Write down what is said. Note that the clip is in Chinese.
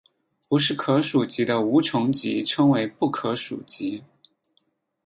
不是可数集的无穷集称为不可数集。